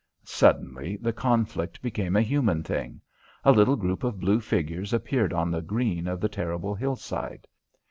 Suddenly the conflict became a human thing. A little group of blue figures appeared on the green of the terrible hillside.